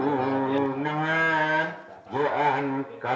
keturunan penerima gawai harus memotong kayu sebagai simbol menyingkirkan halangan di jalan